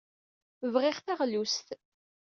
Bɣiɣ taɣlust.